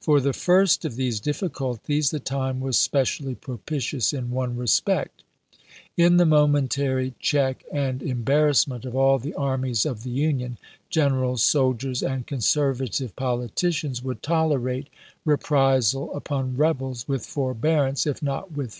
For the first of these difficulties the time was specially propitious in one respect. In the momentary check and em barrassment of all the armies of the Union, generals, soldiers, and conservative politicians would tolerate EMANCIPATION PBOPOSED AND POSTPONED 121 reprisal upon rebels with forbearance if not with chap.